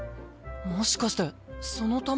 もしかしてその卵。